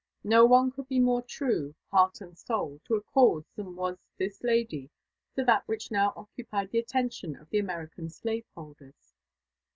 No one could be more true, heart and soul, to a cause than was this lady to that which now occupied the attention of the American slave holders.